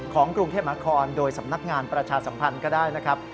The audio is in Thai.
กรุงเทพมหาคอนโดยสำนักงานประชาสัมพันธ์ก็ได้นะครับ